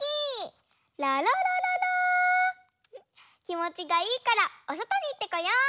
きもちがいいからおそとにいってこよう！